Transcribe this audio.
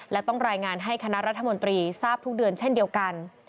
และต้องรายงานให้คณะรัฐมนตรีทราบทุกเดือนเช่นเดียวกัน